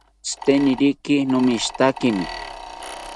Tziteniriki nomishitakimi